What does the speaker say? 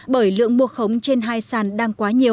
bởi lượng mua khống trên hai triệu đồng